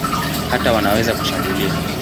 Hata wanaweza kushambulia.